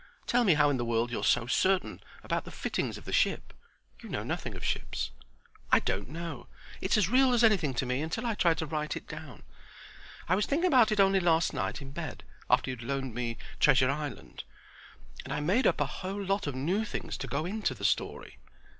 Tell me how in the world you're so certain about the fittings of the ship. You know nothing of ships." "I don't know. It's as real as anything to me until I try to write it down. I was thinking about it only last night in bed, after you had loaned me 'Treasure Island'; and I made up a whole lot of new things to go into the story."